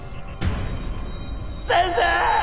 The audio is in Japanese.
先生！